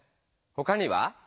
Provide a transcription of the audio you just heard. ほかには？